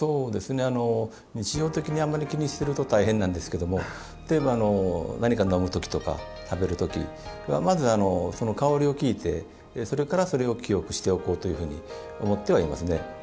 日常的にあまり気にしていると大変なんですけど何か飲むときとか、食べるときまず、その香りを聞いてそれから、それを記憶しておこうというふうに思ってはいますね。